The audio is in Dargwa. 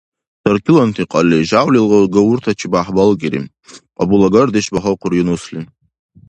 — Таркиланти кьалли жявлил гавуртачибяхӀ балкӀири, — кьабулагардеш багьахъур Юнусли.